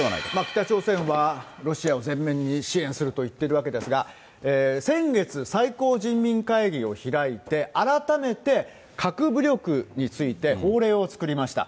北朝鮮は、ロシアを全面的に支援するといっているわけですが、先月最高人民会議を開いて、改めて核武力について法令を作りました。